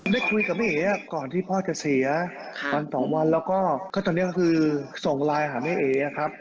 ได้คุยกับแม่เอ๋ก่อนที่พ่อจะเสียวันต่อวันแล้วก็ตอนนี้ก็คือส่งไลน์หาแม่เอ๋ครับ